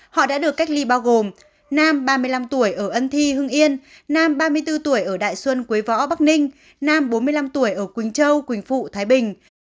họ đã được cách ly bao gồm nam ba mươi năm tuổi ở ân thi hưng yên nam ba mươi bốn tuổi ở đại xuân quế võ bắc ninh nam bốn mươi năm tuổi ở quỳnh châu quỳnh phụ thái bình